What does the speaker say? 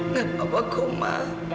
gak apa apa koma